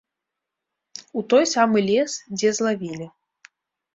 У той самы лес, дзе злавілі.